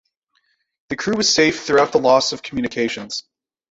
The crew was safe throughout the loss of communications.